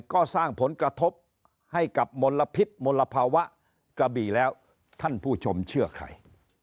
ก็สร้างผลกระทบให้กับมลพิษมลภาวะกระบี่แล้วท่านผู้ชมเชื่อใคร